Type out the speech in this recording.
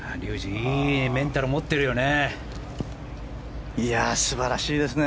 いいメンタル持ってるよね。